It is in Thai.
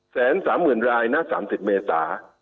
แสนสามหมื่นรายนะ๓๐เมษา